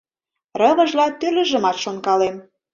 Рывыжла тӱрлыжымат шонкалем.